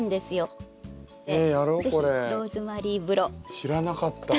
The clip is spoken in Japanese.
知らなかった。